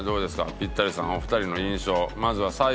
ピッタリさんお二人の印象。